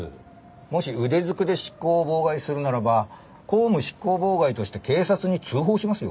もし腕ずくで執行を妨害するならば公務執行妨害として警察に通報しますよ。